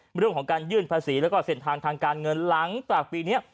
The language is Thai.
เรื่องของการยื่นภาษีแล้วก็เส้นทางทางการเงินหลังจากปีนี้